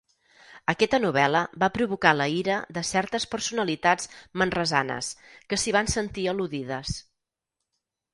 Aquesta novel·la va provocar la ira de certes personalitats manresanes, que s'hi van sentir al·ludides.